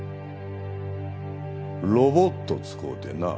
ロボット使うてな。